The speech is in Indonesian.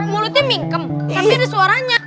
mulutnya mingkem tapi ada suaranya